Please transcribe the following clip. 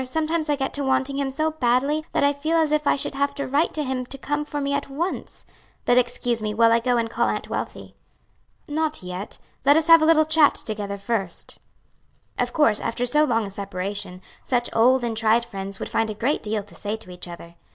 sometimes I get to wanting him so badly that I feel as if I should have to write to him to come for me at once. But excuse me while I go and call Aunt Wealthy." "Not yet; let us have a little chat together first." Of course, after so long a separation, such old and tried friends would find a great deal to say to each other.